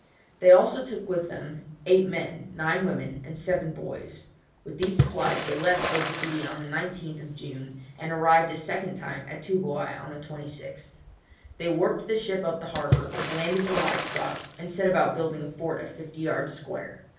They also took with them eight men, nine women, and seven boys. With these supplies they left Otaheite on the 19th June, and arrived a second time at Toobouai on the 26th. They warped the ship up the harbour, landed the live stock, and set about building a fort of fifty yards square.